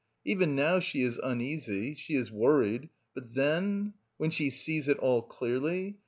Even now she is uneasy, she is worried, but then, when she sees it all clearly?